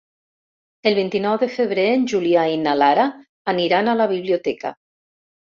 El vint-i-nou de febrer en Julià i na Lara aniran a la biblioteca.